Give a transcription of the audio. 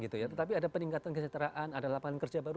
tetapi ada peningkatan kesejahteraan ada lapangan kerja baru